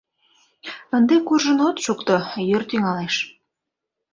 — Ынде куржын от шукто, йӱр тӱҥалеш.